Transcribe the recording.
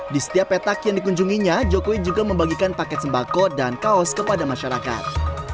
di setiap petak yang dikunjunginya jokowi juga membagikan paket sembako dan kaos kepada masyarakat